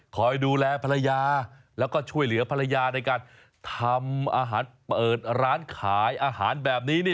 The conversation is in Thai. คอยดูแลภรรยาแล้วก็ช่วยเหลือภรรยาในการทำอาหารเปิดร้านขายอาหารแบบนี้นี่